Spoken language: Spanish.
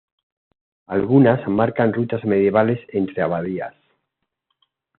Algunas marcan rutas medievales entre abadías.